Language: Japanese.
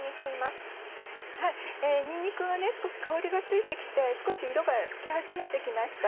にんにくは少し香りがついて来て少し色がつき始めて来ました。